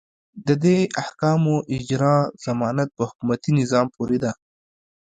د دې احکامو اجرا ضمانت په حکومتي نظام پورې ده.